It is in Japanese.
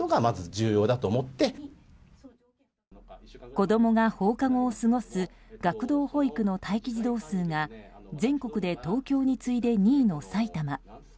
子供が放課後を過ごす学童保育の待機児童数が全国で東京に次いで２位の埼玉。